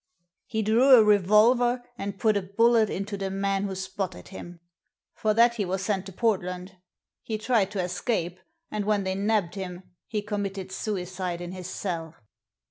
He drew a revolver and put a bullet into the man who spotted him. For that he was sent to Port land. He tried to escape, and when they nabbed him he committed suicide in his cell."